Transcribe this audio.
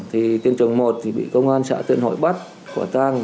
thì tiên trường một thì bị công an xã tuyên hội bắt khỏa tăng